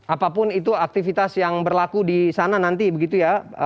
apapun itu aktivitas yang berlaku di sana nanti begitu ya